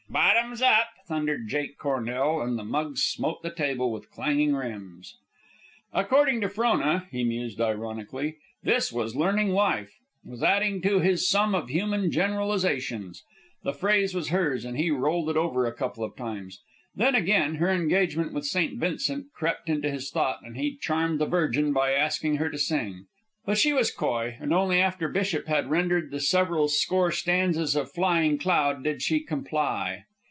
"Bottoms up!" thundered Jake Cornell, and the mugs smote the table with clanging rims. Vance Corliss discovered himself amused and interested. According to Frona, he mused ironically, this was learning life, was adding to his sum of human generalizations. The phrase was hers, and he rolled it over a couple of times. Then, again, her engagement with St. Vincent crept into his thought, and he charmed the Virgin by asking her to sing. But she was coy, and only after Bishop had rendered the several score stanzas of "Flying Cloud" did she comply.